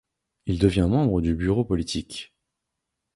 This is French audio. Il devient membre du bureau politique.